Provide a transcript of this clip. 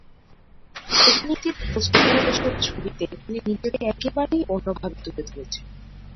পরিনীতির post করা এসব ছবিতে তিনি নিজেকে একেবারেই অন্যভাবে তুলে ধরেছেন।